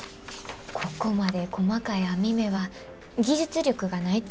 ここまで細かい網目は技術力がないとでけへんらしくて。